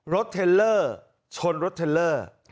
เทลเลอร์ชนรถเทลเลอร์